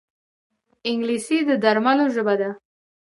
انګلیسي د درملو ژبه ده